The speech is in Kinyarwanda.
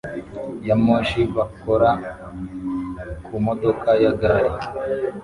ya moshi bakora ku modoka ya gari